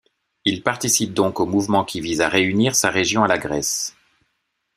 Il participe donc au mouvement qui vise à réunir sa région à la Grèce.